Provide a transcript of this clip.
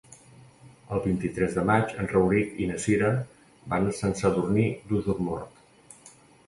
El vint-i-tres de maig en Rauric i na Cira van a Sant Sadurní d'Osormort.